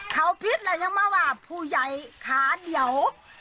เขาผิดแล้วยังมาว่าผู้ใหญ่ขาเดียว